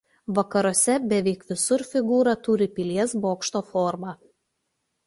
Vakaruose beveik visur figūra turi pilies bokšto formą.